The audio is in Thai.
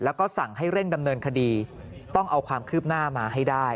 แล้วก็สั่งให้เร่งดำเนินคดีต้องเอาความคืบหน้ามาให้ได้